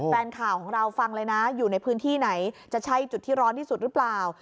แฟนข่าวของเราฟังเลยนะอยู่ในพื้นที่ไหนจะใช่จุดที่ร้อนที่สุดหรือเปล่า